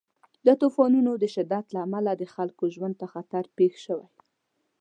د طوفانونو د شدت له امله د خلکو ژوند ته خطر پېښ شوی.